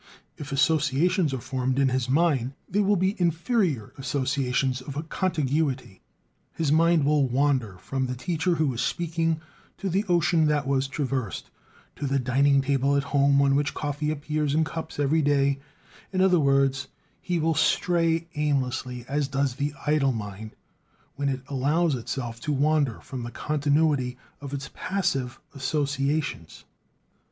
If associations are formed in his mind, they will be inferior associations of contiguity: his mind will wander from the teacher who is speaking to the ocean that was traversed, to the dining table at home on which coffee appears in cups every day; in other words, it will stray aimlessly as does the idle mind when it "allows itself" to wander from the continuity of its passive associations.